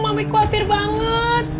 mami khawatir banget